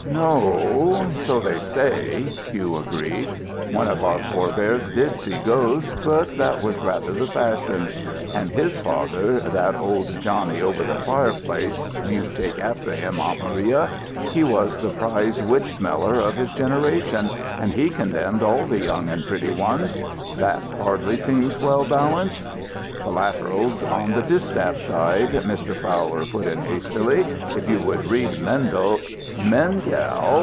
"No o, so they say," Hugh agreed. "One of our forebears did see ghosts, but that was rather the fashion. And his father, that old Johnnie over the fireplace you take after him, Aunt Maria he was the prize witch smeller of his generation, and he condemned all the young and pretty ones. That hardly seems well balanced." "Collaterals on the distaff side," Mr. Fowler put in hastily. "If you would read Mendel " "Mendel?